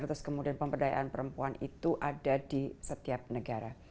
terus kemudian pemberdayaan perempuan itu ada di setiap negara